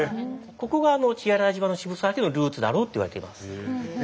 ここが血洗島の渋沢家のルーツだろうっていわれています。